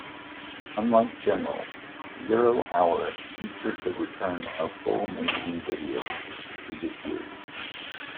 Unlike "Generals", "Zero Hour" featured the return of full motion videos to the series.